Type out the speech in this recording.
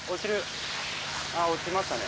落ちましたね。